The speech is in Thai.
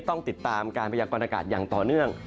ต้องติดตามการพยากรณากาศอย่างต่อเนื่อง